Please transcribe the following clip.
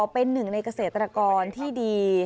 เป็นหนึ่งในเกษตรกรที่ดี